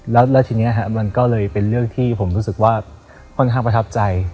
แล้วทีนี้มันก็เลยเป็นเรื่องที่ผมรู้สึกว่าค่อนข้างประทับใจ